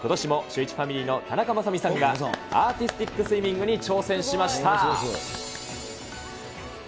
ことしもシューイチファミリーの田中雅美さんが、アーティスティックスイミングに挑戦しました。